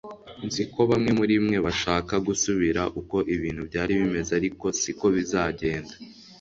Nzi ko bamwe muri mwe bashaka gusubira uko ibintu byari bimeze ariko siko bizagenda